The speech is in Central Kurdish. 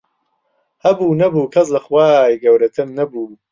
هەبوو نەبوو کەس لە خوای گەورەتر نەبوو